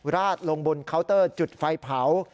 ราดลงบนเคาน์เตอร์จุดไฟเผา